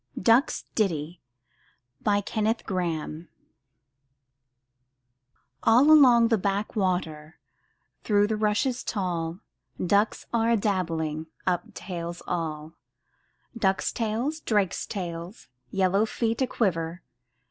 no UP ONE PAIR OF STAIRS All along the backwater, Through the rushes tall, Ducks are a dabbling, Up tails all! Ducks' tails, drakes' tails, Yellow feet a quiver.